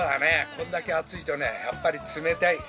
こんだけ暑いとねやっぱり冷たい。